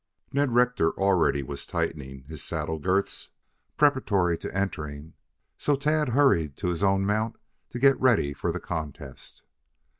Ned Rector already was tightening his saddle girths preparatory to entering, so Tad hurried to his own mount to get ready for the contest.